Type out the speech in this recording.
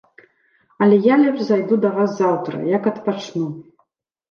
Але я лепш зайду да вас заўтра, як адпачну.